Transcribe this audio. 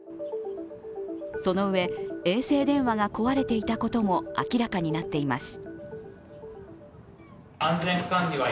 そのうえ、衛星電話が壊れていたことも明らかになっています。